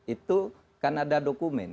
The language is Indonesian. itu kan ada dokumen